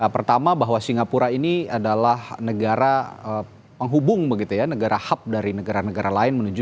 pertama bahwa singapura ini adalah negara penghubung begitu ya negara hub dari negara negara lain menuju